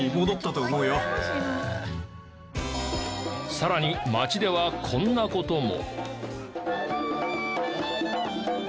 さらに街ではこんな事も。